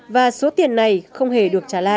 và số tiền này không hề được trả lại